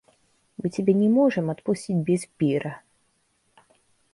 Мы тебя не можем отпустить без пира.